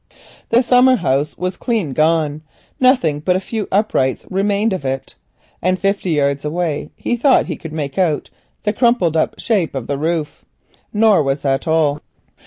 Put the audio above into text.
The summer house was clean gone, nothing but a few uprights remained of it; and fifty yards away he thought he could make out the crumpled shape of the roof. Nor was that all.